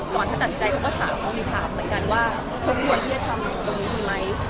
ก่อนถ้าตัดสินใจเขาก็ถามเขามีถามเหมือนกันว่าเขาควรที่จะทำตรงนี้ดีไหม